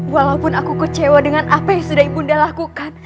walaupun aku kecewa dengan apa yang sudah ibunda lakukan